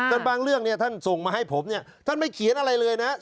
แต่บางเรื่องท่านส่งมาให้ผมท่านไม่เขียนอะไรเลยนะครับ